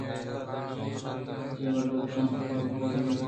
چُک وھدے رونت لیب ءُ گْوازی کن اَنت